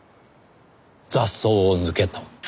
「雑草を抜け」と。